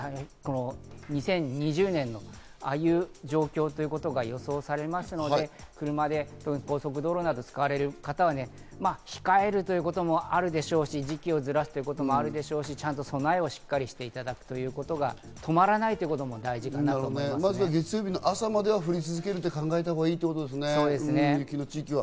２０２０年のああいう状況ということが予想されますので高速道路などを使われる方は、控えるということもあるでしょうし、時期をずらすということもあるでしょうし、ちゃんと備えをしっかりしていただくということが、止まらないということが大事かもしれませ月曜の朝まで降り続けると考えたほうがいいですね、この地域は。